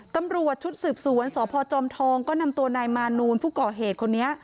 ตำรวจชุดสืบสวนสพจอมทองก็นำตัวนายมานูลผู้ก่อเหตุคนนี้